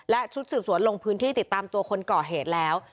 และชุดสืบสวนลงพื้นที่ติดตามตัวคนก่อเหตุแล้ว